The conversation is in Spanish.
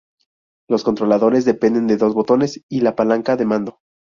Los controladores dependen de dos botones y la palanca de mando.